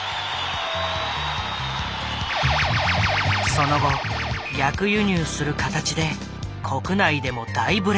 その後逆輸入する形で国内でも大ブレーク。